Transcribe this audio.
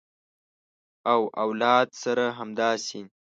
او اولاد سره همداسې